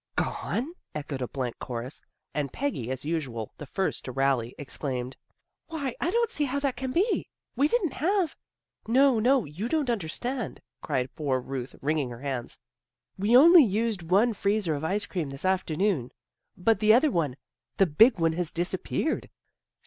" Gone! " echoed a blank chorus, and Peggy, as usual the first to rally, exclaimed, " Why, I don't see how that can be. We didn't have "" No, no, you don't understand," cried poor Ruth, wringing her hands. " We only used one freezer of ice cream this afternoon. But the other one, the big one, has disappeared."